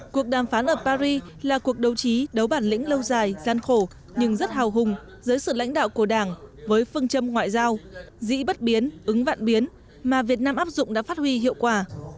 cuộc đàm phán ở paris là cuộc đấu trí đấu bản lĩnh lâu dài gian khổ nhưng rất hào hùng dưới sự lãnh đạo của đảng với phương châm ngoại giao dĩ bất biến ứng vạn biến mà việt nam áp dụng đã phát huy hiệu quả